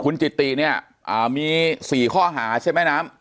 คุณจิติเนี่ยมี๔ข้อหาใช่ไหมน้ำ